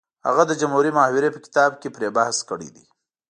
هغه د جمهوري محاورې په کتاب کې پرې بحث کړی دی